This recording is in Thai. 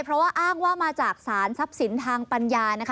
เพราะว่าอ้างว่ามาจากสารทรัพย์สินทางปัญญานะคะ